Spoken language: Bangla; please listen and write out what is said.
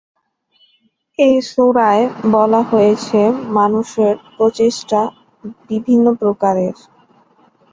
এ সূরায় বলা হয়েছে মানুষের প্রচেষ্টা বিভিন্ন প্রকারের।